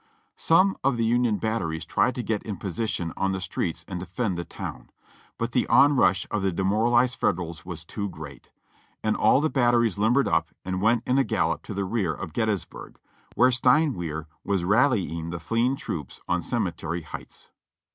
Some of the Union batteries tried to get in posi tion on the streets and defend the town, but the onrush of the de moralized Federals was too great, and all the batteries limbered up and went in a gallop to the rear of Gettysburg, where Stein wehr was rallying the fleeing troops on Cemetery Heights.